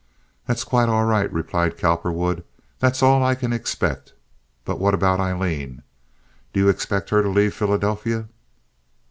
"That's quite all right," replied Cowperwood. "That's all I can expect. But what about Aileen? Do you expect her to leave Philadelphia?"